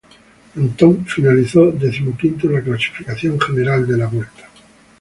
Antón finalizó decimoquinto en la clasificación general de la Vuelta.